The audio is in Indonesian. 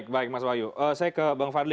baik mas wahyu saya ke bang fadli